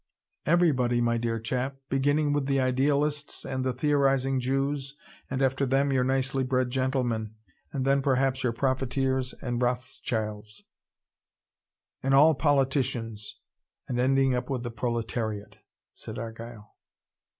"Everybody, my dear chap: beginning with the idealists and the theorising Jews, and after them your nicely bred gentlemen, and then perhaps, your profiteers and Rothschilds, and ALL politicians, and ending up with the proletariat," said Argyle.